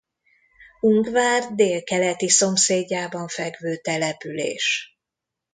Ungvár délkeleti szomszédjában fekvő település.